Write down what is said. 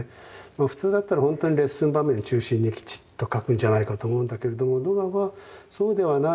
普通だったらほんとにレッスン場面中心にきちっと描くんじゃないかと思うんだけれどもドガはそうではない。